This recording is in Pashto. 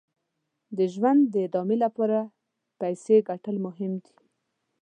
د ژوند د ادامې لپاره پیسې ګټل یې مهم دي.